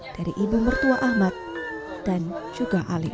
dari ibu mertua ahmad dan juga alif